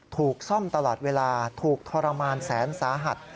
ถูกซ่อมตลอดเวลาถูกทรมานแสนสาหัส